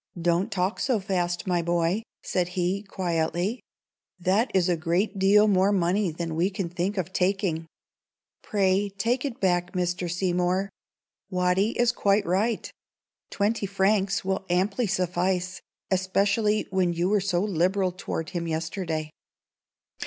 "Don't talk so fast, my boy," said he, quietly. "That is a great deal more money than we can think of taking. Pray take it back, Mr. Seymour. Watty is quite right. Twenty francs will amply suffice, especially when you were so liberal toward him yesterday."